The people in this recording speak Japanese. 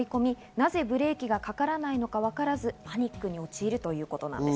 なぜブレーキがかからないのかわからず、パニックに陥るということなんです。